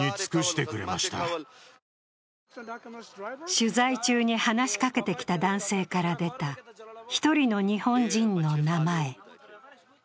取材中に話しかけてきた男性から出た、一人の日本人の名前。